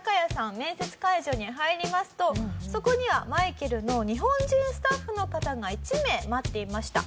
面接会場に入りますとそこにはマイケルの日本人スタッフの方が１名待っていました。